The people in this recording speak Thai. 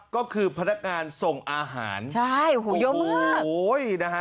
ก็คือพนักงานส่งอาหารใช่โอ้โหเยอะมากโอ้ยนะฮะ